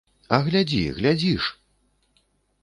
А глядзі, глядзі ж!